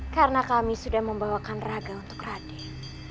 karena kami sudah membawakan raga untuk raden